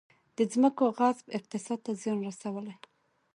د ځمکو غصب اقتصاد ته زیان رسولی؟